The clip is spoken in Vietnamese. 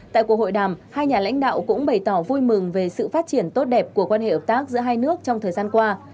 tại cuộc hội đàm hai nhà lãnh đạo cũng bày tỏ vui mừng về sự phát triển tốt đẹp của quan hệ hợp tác giữa hai nước trong thời gian qua